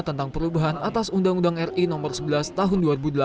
tentang perubahan atas undang undang ri no sebelas tahun dua ribu delapan